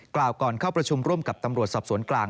กล่าวก่อนเข้าประชุมร่วมกับตำรวจสอบสวนกลาง